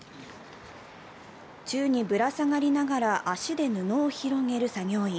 宙にぶら下がりながら、足で布を広げる作業員。